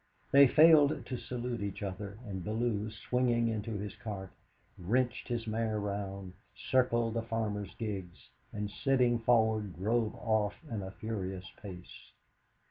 They failed to salute each other, and Bellow, springing into his cart, wrenched his mare round, circled the farmers' gigs, and, sitting forward, drove off at a furious pace.